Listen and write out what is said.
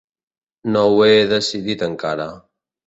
No ho he decidit encara.